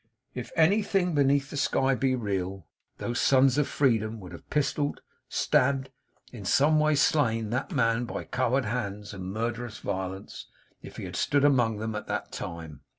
If anything beneath the sky be real, those Sons of Freedom would have pistolled, stabbed in some way slain that man by coward hands and murderous violence, if he had stood among them at that time.